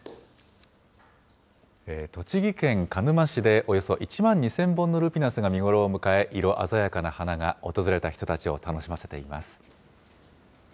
栃木県鹿沼市で、およそ１万２０００本のルピナスが見頃を迎え、色鮮やかな花が、訪れた人たちを楽しませています。